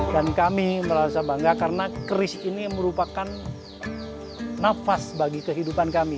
dan kami merasa bangga karena keris ini merupakan nafas bagi kehidupan kami